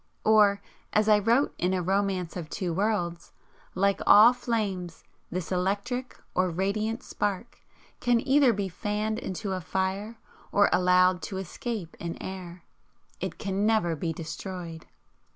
Or, as I wrote in "A Romance of Two Worlds " "Like all flames, this electric (or radiant) spark can either be fanned into a fire, or allowed to escape in air, IT CAN NEVER BE DESTROYED."